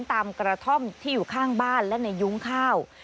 กระท่อมที่อยู่ข้างบ้านและในยุ้งข้าว